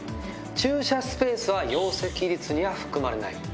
駐車スペースは容積率には含まれない。